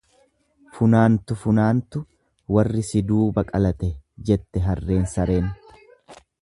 """Funaantu! Funaantu! Warri si duuba qalate"" jette harreen sareen."